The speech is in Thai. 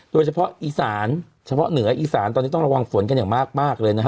โดยเฉพาะอีสานเฉพาะเหนืออีสานตอนนี้ต้องระวังฝนกันอย่างมากเลยนะฮะ